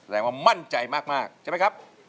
ว่ามั่นใจมากใช่ไหมครับ